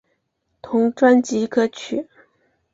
同专辑歌曲。